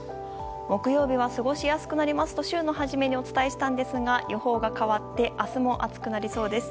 木曜日は過ごしやすくなりますと週の初めにお伝えしたんですが予報が変わって明日も暑くなりそうです。